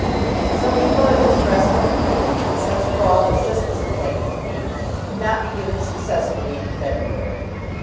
Some people had expressed an opinion that such a ball as this was intended to be could not be given successfully in February.